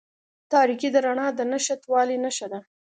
تاریکې د رڼا د نشتوالي نښه ده.